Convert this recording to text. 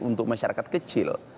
untuk masyarakat kecil